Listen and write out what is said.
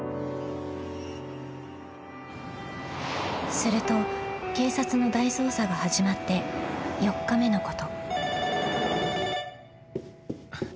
［すると警察の大捜査が始まって４日目のこと］